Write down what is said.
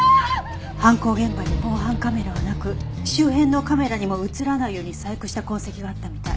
犯行現場に防犯カメラはなく周辺のカメラにも映らないように細工した痕跡があったみたい。